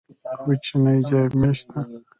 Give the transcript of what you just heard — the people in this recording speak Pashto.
کوچنی جامی شته؟